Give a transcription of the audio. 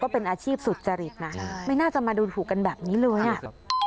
เป็นอาชีพสุจริตนะไม่น่าจะมาดูถูกกันแบบนี้เลยอ่ะ